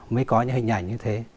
mới có những hình ảnh như thế